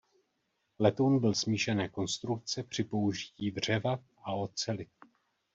Letoun byl smíšené konstrukce při použití dřeva a oceli.